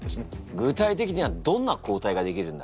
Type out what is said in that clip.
具体的にはどんな抗体ができるんだ？